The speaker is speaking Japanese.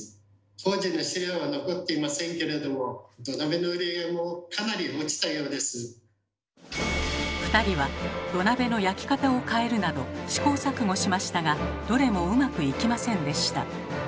当時の資料は残っていませんけれども２人は土鍋の焼き方を変えるなど試行錯誤しましたがどれもうまくいきませんでした。